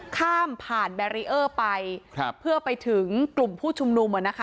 ข้ามผ่านไปเพื่อไปถึงกลุ่มผู้ชุมนุมเลยนะคะ